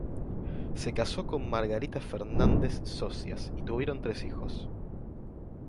Se casó con Margarita Fernández Socías y tuvieron tres hijos.